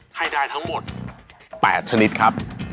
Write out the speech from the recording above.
ให้ได้ทั้งหมด๘ชนิดครับ